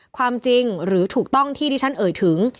ความจริงหรือถูกต้องที่ที่ฉันเอ่ยถึง